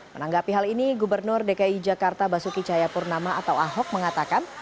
menanggapi hal ini gubernur dki jakarta basuki cahayapurnama atau ahok mengatakan